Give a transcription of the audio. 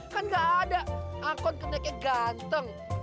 kan nggak ada akon kenaiknya ganteng